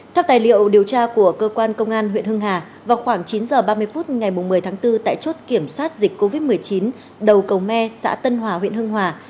theo tài liệu điều tra của cơ quan công an huyện hưng hà vào khoảng chín h ba mươi phút ngày một mươi tháng bốn tại chốt kiểm soát dịch covid một mươi chín đầu cầu me xã tân hòa huyện hưng hòa